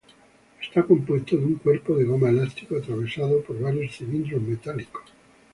Está compuesto de un cuerpo de goma elástico atravesado por varios cilindros metálicos.